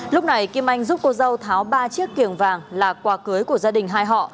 lúc này kim anh giúp cô dâu tháo ba chiếc kiềng vàng là quà cưới của gia đình hai họ